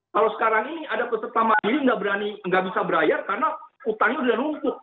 kalau sekarang ini ada peserta mandiri nggak bisa berbayar karena utangnya udah rumput